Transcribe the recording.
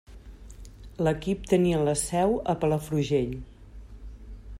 L'equip tenia la seu a Palafrugell.